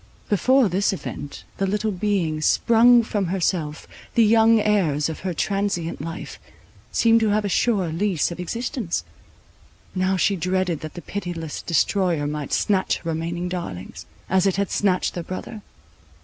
Before this event, the little beings, sprung from herself, the young heirs of her transient life, seemed to have a sure lease of existence; now she dreaded that the pitiless destroyer might snatch her remaining darlings, as it had snatched their brother.